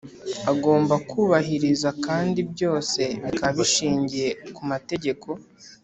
agomba kubahiriza, kandi byose bikaba bishingiye ku mategeko.